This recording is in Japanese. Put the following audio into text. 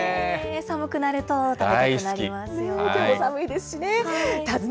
寒くなると食べたくなりますよね。